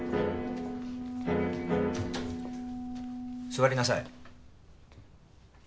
座りなさい。